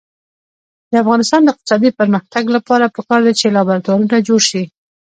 د افغانستان د اقتصادي پرمختګ لپاره پکار ده چې لابراتوارونه جوړ شي.